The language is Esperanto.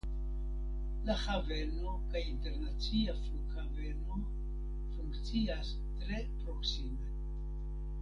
La haveno kaj internacia flughaveno funkcias tre proksime.